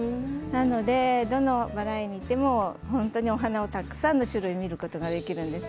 なのでどのバラ園に行っても本当にお花、たくさんの種類を見ることができます。